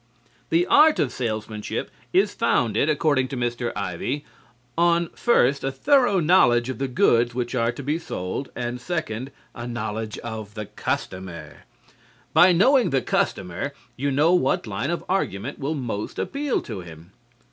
The art of salesmanship is founded, according to Mr. Ivey, on, first, a thorough knowledge of the goods which are to be sold, and second, a knowledge of the customer. By knowing the customer you know what line of argument will most appeal to him.